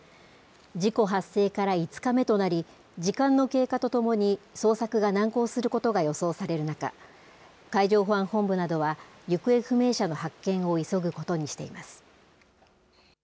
事故発生から５日目となり、時間の経過とともに、捜索が難航することが予想される中、海上保安本部などは、行方不明者の発見を急ぐことにしています。